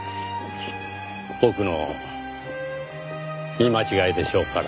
僕の見間違いでしょうから。